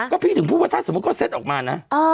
ก็พี่ถึงพูดว่าถ้าสมมุติเขาเซ็ตออกมานะ